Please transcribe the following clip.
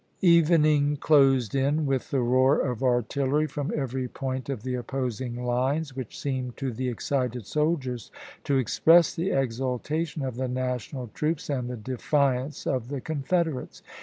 Even ing closed in with the roar of artillery from every point of the opposing lines, which seemed to the excited soldiers to express the exultation of the National troops and the defiance of the Confederates.